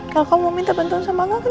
kalau kamu mau minta bantuan sama aku